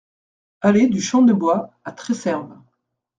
Allée du Champ de Bois à Tresserve